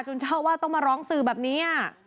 เจ้าอาวาสต้องมาร้องสื่อแบบนี้